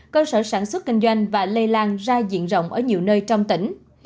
cơ sở sản xuất kinh doanh và lây lan ra diện rộng ở nhiều nơi trong tỉnh